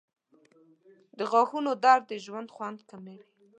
• د غاښونو درد د ژوند خوند کموي.